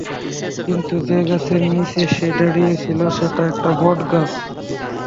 কিন্তু যেগাছের নিচে সে দাঁড়িয়ে ছিল, সেটা একটা বটগাছ।